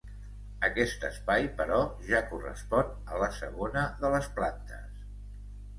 Aquest espai, però, ja correspon a la segona de les plantes.